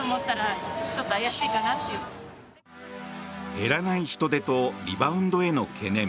減らない人出とリバウンドへの懸念。